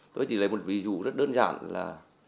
tôi chỉ lấy một ví dụ rất đơn giản là